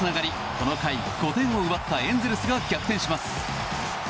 この回、５点を奪ったエンゼルスが逆転します。